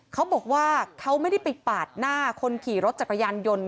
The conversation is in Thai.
เขาบอกว่าเขาไม่ได้ไปปาดหน้าคนขี่รถจักรยานยนต์